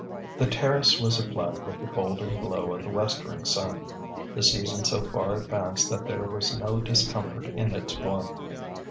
The terrace was aflood with the golden glow of the westering sun the season so far advanced that there was no discomfort in its warmth.